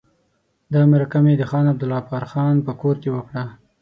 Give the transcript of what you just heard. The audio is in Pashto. دا مرکه مې د خان عبدالغفار خان په کور کې وکړه.